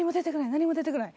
何も出てこない。